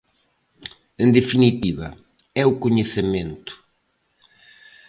En definitiva, é o coñecemento.